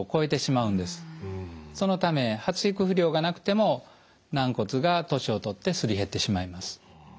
そのため発育不良がなくても軟骨が年を取ってすり減ってしまいます。